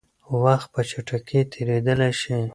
وخت په چټکۍ تېرېدلی شي.